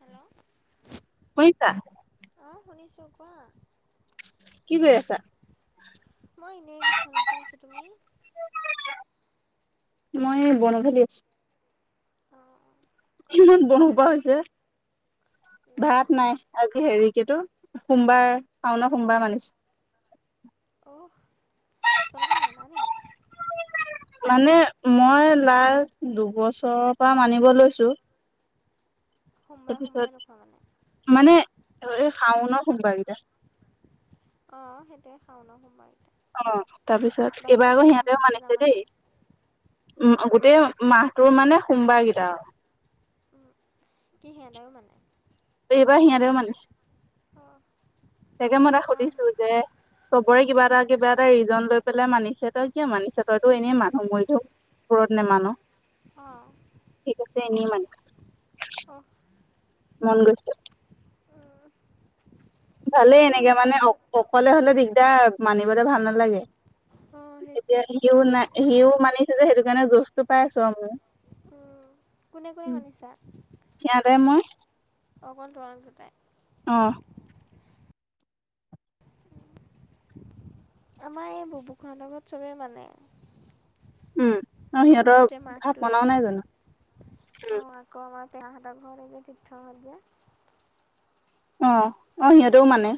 Hello? শুনিছা ' অঁ' শুনিছোঁ কোৱা? কি কৰি আছা? মই এনেই বিছনাতে আছো, তুমি? মই এই বনধালি [unintelligible] অঁ ভাত ইমান বন খালা সূপা হৈছে, ভাত নাই- আযি হেৰি কিতো সোমবাৰ শাওনৰ সোমবাৰ মানিছো। অহ, তোমালোকৰ মানা নেকি? মানে মই লাষ্ট দুবছৰৰ পৰা মানিব লৈছোঁ। সোমবাৰে সোমবাৰে নোখোৱা মানে তাৰপিছত মানে হেৰী শাওনৰ সোমবাৰ গীতাত। অঁ সেইটোয়ে শাওনৰ সোমবাৰ গীতাত। অঁ তাৰপিছত এইবাৰ আকৌ সিহঁতেও মানিছে নামানা দেই- উমঁ, গোটেই মাহটোৰ মানে সোমবাৰ কেইটা আও। কি সেতেও মানে? এইবাৰ সিহঁতেও মানিছে, অঁ তাকে মই তাক আম সুধিছো যে- চবৰে কিবা এটা কিবা এটা ৰিজন লৈ পেলাই মানিছে, তই কিয় মানিছ? তইতো এনেই মানুহ মৰিলেও- ব্ৰত নামান? অঁ! সি কৈছে এনেই মান। অহ- মনগৈছে। ওঁম! ভালেই এনেকে মানে অ-অকলে হ'লে দিগদাৰ, মানিবলে ভাল নালাগে। অঁ সেইটোৱে এতিয়া সিও নাই সিও মানিছে যে সেইটো কাৰণে জোজটো পাই আছো আৰু মো। ওম কোনে-কোনে মানিছা? ইয়াতে মই- অকল তহঁত দুটায়ে? অঁ'- আমাৰ এই বুবো খুৰাহতৰ ঘৰত চবেই মানে। উমঁ, আৰু সিহঁতৰ গোটেই মাহটোৱেই ঠাপনাও নাই জানো? উমঁ- ক মই পয়াহঁতৰ ঘৰেকৈ তীৰ্থ হ'ল যে। অঁ, অঁ সিহঁতেও মানে।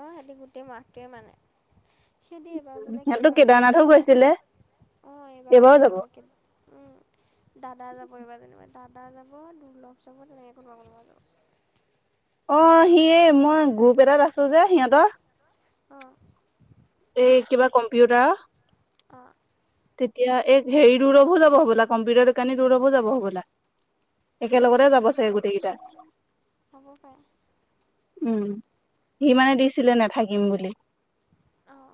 অঁ সিহতি গোটেই মাহটোৱে মানে। সেইদি এইবাৰ বোলে সিহঁতো কেদাৰনাথ কেদাৰনাথো যাব, গৈছিলে অঁ এইবাৰ আকৌ যাব- উমঁ, দাদা যাব এইবাৰ যেনিবা দাদা যাব, দুৰ্লভ যাব তেনেকৈ কোনবা কোনোবা যাৱ। অঁ, সি মই গ্ৰুপ এটাত আছো যে সিহঁতৰ। অঁ। এই কিবা কম্পিউটাৰ- অঁ। তেতিয়া এক হেৰি দূৰবো যাব হ'বলা কম্পিউটাৰ দোকানি দূৰবো যাব হ'বলা- একেলগতে যাব চাগে গোটেইকেইটা। হ'ব পাৰে। উমঁ, সি মানে দিছিলে নাথাকিম বুলি। অঁ।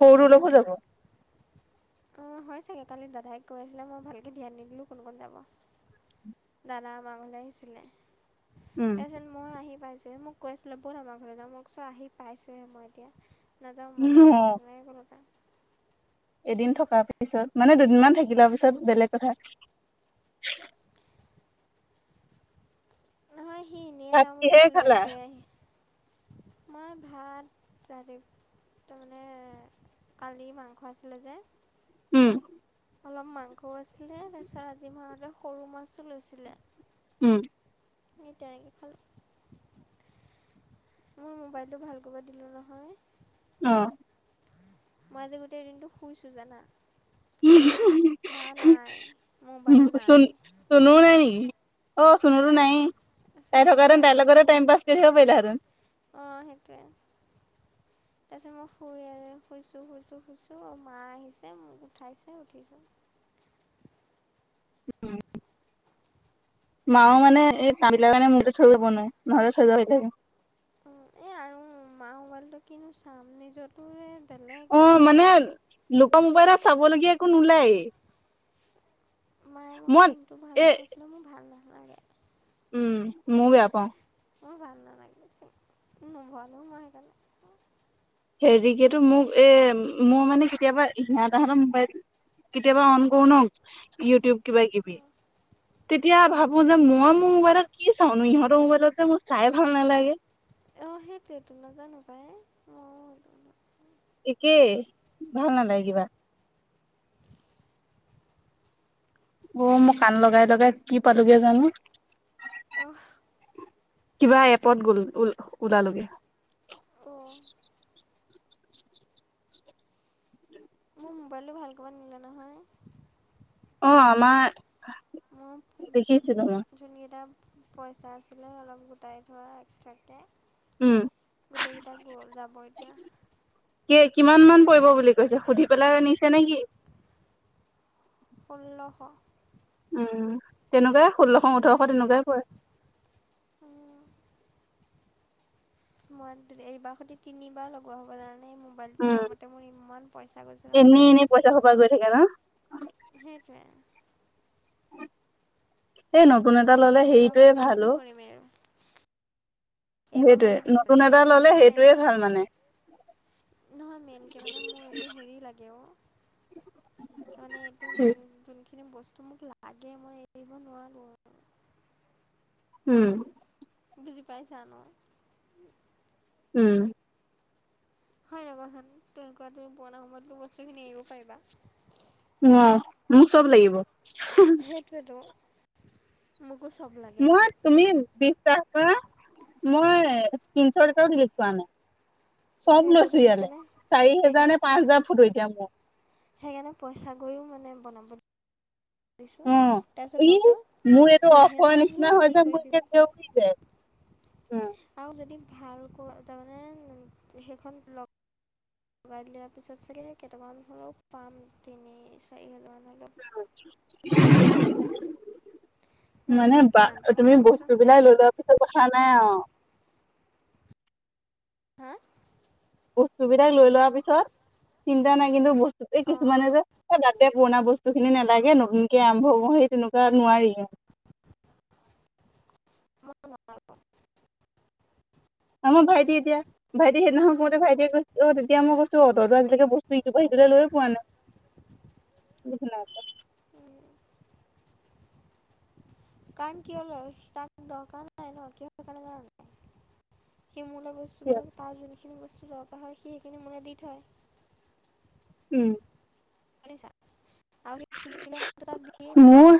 সৰু দুৰ্লভও যাব। অঁ, হয় চাগৈ কালি দাদাই কৈ আছিলে মই ভালকৈ ধ্যান নিদিলোঁ কোন কোণ যাব। দাদা আমৰ ঘৰলৈ আহিছিলে। উমঁ। তাৰপিছত মই আহি পাইছোহে, মোক কৈ আছিলে বল, আমাৰ ঘৰ যাম মোক চ' আহি পাইছোঁহে মই এতিয়া। নাযাওঁ মই দেক অ', লগত এনেকলো তক এদিন থকাৰ পিছত, মানে দুদিন মান থাকি লোৱা পিছত বেলেগ কথা। নহয়, সি এনেই ভাত যাওঁ বুলি কিহেৰে কৈছিলে, খালা? থৈ আহি। মই ভাত, ৰাতিপুৱা তাৰমানে, কালি মাংস আছিলে যে উম। অলপ মাংসও আছিলে, তাৰপিছত আজি মাহতে সৰু মাছো লৈছিলে। উম। আমি তেনেকৈ খালোঁ। মোৰ মোবাইলটো ভাল কৰিব দিলোঁ নহয়। অঁ। মই আজি গোটেই দিনটো শুইছো, জানা! [unintelligible] মা নাই, মোবাইল চুন নাই। চুনুও নাই নেকি? অ, সুনোটো হা নাই, তাই চুনো থকা হেতেন নাই তাইৰ লগতে টাইম-পাছ কৰি থাকিব পাৰিলাহেঁতেন। অঁ, সেইটোৱে। [inaudible] তাৰপিছত মই শুই, শুইছোঁ, শুইছোঁ, শুইছোঁ, মা আহিছে মোক উঠাইছে, উঠিছোঁ। মাও মানে এই কামবিলাকৰ কাৰণে মোবাইল থৈও যাব নোৱাৰে, নহ'লে থৈ। [unintelligible] এই আৰু মাৰ মোবাইলটো কিনো চাম, নিজতো বেলেগেই অ', ন মানে অলপ। লোকৰ মোবাইলত চাবলগীয়া একো নোলায়ে। মায়ে মোক চিমতটো ভৰাই এ দিব কৈছিলে, মোৰ ভাল নালাগে। উম, মইও বেয়া পাওঁ। মোৰো ভাল নালাগিলে, চেম, নভৰালো মই সেইকাৰণে। হেৰিকেতো মোক এই, মোৰ মানে কেতিয়াবা [unintelligible] মোবাইলটো কেতিয়াবা অন কৰো ন ইউটিউব কিবা- কিবি, অঁ তেতিয়া অঁ ভাবো যে মই মোৰ মোবাইলত কি চাওঁ নো, ইহঁতৰ মোবাইলত যে মোৰ চাই ভাল নালাগে। অঁ, সেইটোৱটো, নাজানো পাই, অ। একেই, ভাল নালাগে কিবা। অঁ, মই কাণ লগাই-লগাই কি পালোগে জানো? অ। কিবা এপত গ'ল ও ওলালোগে। অ'। মোৰ মোবাইলটো ভাল কৰিব নিলে নহয়! অ, আমাৰ দেখিছিলো মই [unintelligible] যোনকেইটা পইচা আছিলে, অলপ গোটাই থোৱা এক্সট্ৰাকৈ উম গোটেই কেইটা গ'ল, যাব এতিয়া। কে কিমান মান পৰিব বুলি কৈছে, সুধি পেলাই নিছে নে কি? ষোল্লশ। উম, তেনেকুৱাই ষোল্লশ, ওঠৰশ তেনেকুৱাই পৰে। উম। মই এইবাৰ সতে তিনিবাৰ লগোৱা হ'ব জানানে, এই মো মোবাইলটোৰ উম নামতে মোৰ ইমান পইচা গৈছে নহয়। [unintelligible] পৰা গৈ থাকে ন! সেইটোৱে সেই নতুন এটা ল'লে এইবাৰ এইবাৰ হেৰিটোৱে মই ভাল বিক্ৰী অ কৰিম আৰু এইবাৰ মই সেইটোৱে এইটো বিক্ৰী নতুন কৰিম এটা ললে তুমি সেইটোৱে এইটো ভাল মানে নহয় মেইনকে মানে মোৰ এইটো হেৰি লাগে অ ত মানে এইটো যোনখিনি বস্তু মোক লাগে মই এৰিব নোৱাৰো আৰু উম বুজি পাইছা ন উম হয় নাই কোৱাচোন তুমি কোৱা তুমি পুৰণা সময়তো বস্তুখিনি এৰিব পাৰিবা নোৱাৰো মোক চব লাগিব। সেইটোৱেতো মোকো চব লাগে। মই তুমি বিশ টকা মই তিনশ টকাও ডিলিট চোৱা নাই চব সেইটোৱেতো লৈছো ইয়ালে সেইকাৰণে চাৰি হেজাৰ সেইকাৰণে নে পাঁচ হাজাৰ ফটো এতিয়া মোৰ। সেইকাৰণে পইছা গৈও মানে বনাব দিছোঁ [inaudible] অ তাৰপিছত মই ই ভাবিছোঁ মোৰ এইটো অসমৰ দুহেজাৰত হ'লেও নিচিনা হয় বিক্ৰী যে কৰি মোৰ দিওঁ এতিয়া দেউৰি যায় উম, আৰু যদি ভালকৈ তাৰমানে সেইখন ব্লক লগাই দিয়াৰ পিছত চাগে কেইটামান হলও পাম তিনি চাৰি হাজাৰ মান হলও কি কি কৰো মানে বা তুমি কৈছোঁ বস্তু বিলাক লৈ লোৱা পিছত কথা নাই আৰু হা বস্তু বিলাক লৈ লোৱাৰ পিছত চিন্তা নাই কিন্তু বস্তু অঁ কিছুমানে যে তাতে পুৰণা বস্তু খিনি নালাগে নতুনকে আৰম্ভ ম সেই তেনেকোৱা নোৱাৰি [unintelligible] আমাৰ ভাইটি এতিয়া ভাইটি সেইদিনা সময়তে ভাইটিয়ে কৈছে অ তেতিয়া মই কৈছো তহঁতৰ আজিলেকে বস্তু কিবা সিকিল লৈয় পোৱা নাই উম নাইপোৱা কাৰণ কি হল হয় তাক দকাৰ নাই ন কে নাই সি মোলৈ বস্তু লয় তাজু যিখিনি বস্তু দৰকাৰ হয় সি সেইখিনি মোলে দি থয় উম শুনিছা মোৰ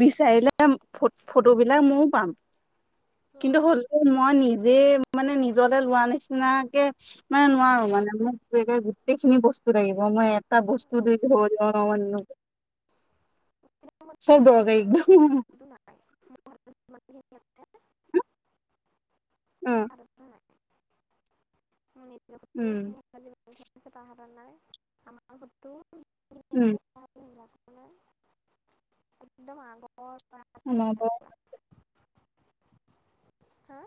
বিচাৰিলে ফ ফটো বিলাক মও পাম কিন্তু হ'ল মই নিজে মানে নিজলে লোৱা নিচিনাকে মানে নোৱাৰো মানে মোক এনেকে গোটেইখিনি বস্তু লাগিব মই এটা বস্তু দি থৈ লও নহয় মো মই চব নাপাওঁ দৰকাৰী জানানে? একদম সেইটো নাই মোৰ হাতত যিমানখিনি আছে তাৰ উম হাততো নাই মোৰ নিজৰ উম ফটোৰ তা হাতত নাই আমাৰ ফটো যিখিনি আছে উম তাৰ হাতত সেইবিলাকো নাই একদম আগৰ পৰা আছে শুনাব মানে পুৰা হা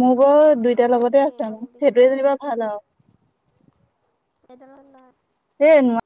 মোৰ বৰ আৰু দুইটাৰ মই লগতে সেইখিনি আছে এৰিব আৰু সেইটোৱে নিবিচাৰোঁ যেনিবা ভাল আও এইডালত নাই সেই মই